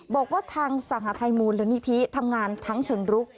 บอกว่าทางสหภาษณ์ไทยมูลละนิธิทำงานทั้งเฉิงรุก